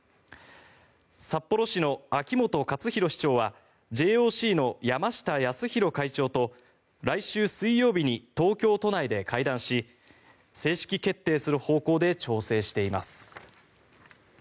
札幌市の秋元克広市長はＪＯＣの山下泰裕会長と来週水曜日に東京都内で会談し正式決定する方向で調整しています。